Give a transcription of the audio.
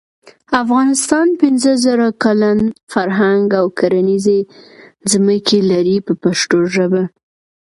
افغانستان پنځه زره کلن فرهنګ او کرنیزې ځمکې لري په پښتو ژبه.